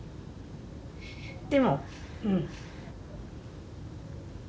でもうん。